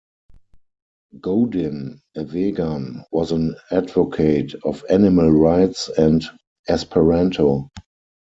Godin, a vegan, was an advocate of animal rights and Esperanto.